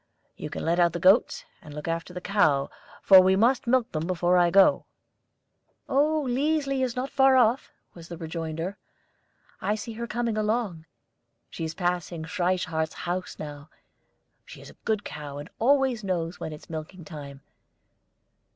You can let out the goats, and look after the cow, for we must milk them before I go." "Oh, Liesli is not far off," was the rejoinder; "I see her coming along; she is passing Frieshardt's house now. She is a good cow, and always knows when it's milking time.